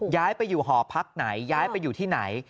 ย้ายไปอยู่หอพักไหนย้ายไปอยู่ที่ไหน